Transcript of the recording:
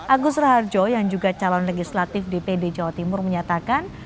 agus raharjo yang juga calon legislatif dpd jawa timur menyatakan